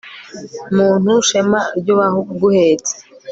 muntu shema ry'uwaguhetse